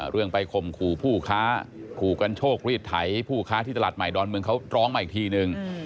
เรื่องไปข่มขู่ผู้ค้าขู่กันโชครีดไถผู้ค้าที่ตลาดใหม่ดอนเมืองเขาร้องมาอีกทีนึง